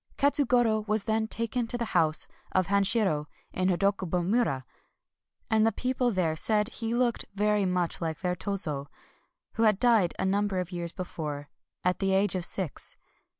Katsugoro was then taken to the house of Hanshiro in Hodokubo mura ; and the peo ple there said that he looked very much like their Tozo, who had died a number of years before, at the age of six.